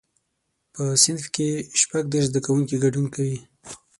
په صنف کې شپږ دیرش زده کوونکي ګډون کوي.